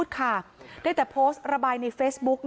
บางทีเขาลงโฟนในเฟซบุ๊ค